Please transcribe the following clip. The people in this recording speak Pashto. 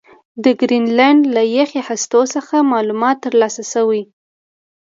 د ګرینلنډ له یخي هستو څخه معلومات ترلاسه شوي